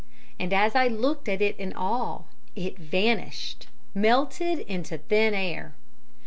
And as I looked at it in awe, it vanished melted into thin air.